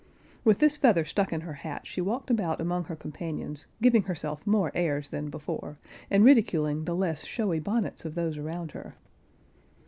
With this feather stuck in her hat, she walked about among her companions, giving herself more airs than before, and ridiculing the less showy bonnets of those around her.